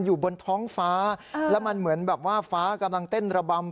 อยู่บนท้องฟ้าแล้วมันเหมือนแบบว่าฟ้ากำลังเต้นระบำ